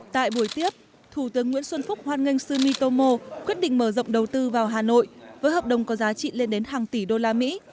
tại buổi tiếp thủ tướng nguyễn xuân phúc hoan nghênh sumitomo quyết định mở rộng đầu tư vào hà nội với hợp đồng có giá trị lên đến hàng tỷ đô la mỹ